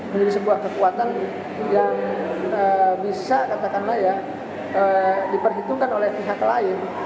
menjadi sebuah kekuatan yang bisa katakanlah ya diperhitungkan oleh pihak lain